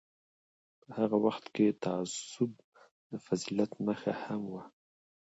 په هغه وخت کې تعصب د فضیلت نښه هم وه.